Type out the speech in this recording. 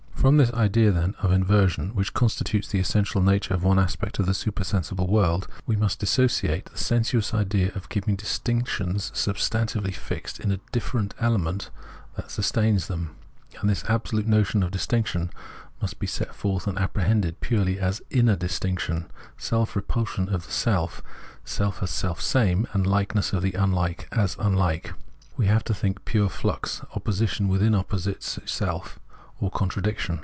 From the idea, then, of inversion which con stitutes the essential nature of one aspect of the supersensible world, we must dissociate the sensuous idea of keeping distinctions substantively fixed in a difierent element that sustains them ; and this absolute notion of distinction must be set forth and apprehended purely as inner distinction, self repulsion of the self same as selfsame, and likeness of the unhke as unlike. We have to think pure flux, opposition within op position itself, or Contradiction.